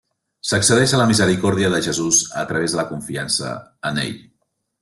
S'accedeix a la misericòrdia de Jesús a través de la confiança en Ell.